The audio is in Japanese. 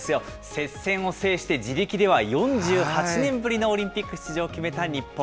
接戦を制して自力では４８年ぶりのオリンピック出場を決めた日本。